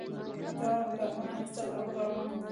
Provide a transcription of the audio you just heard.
تواب گامونه اخیستل او روان و.